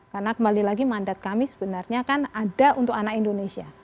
karena kembali lagi mandat kami sebenarnya kan ada untuk anak indonesia